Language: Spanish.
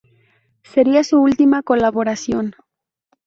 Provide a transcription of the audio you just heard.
Seria su última colaboración.